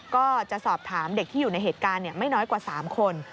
ก็จะสอบถามเด็กที่อยู่ในเหตุการณ์ไม่น้อยกว่า๓คน